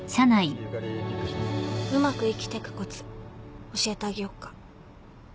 うまく生きてくコツ教えてあげよっか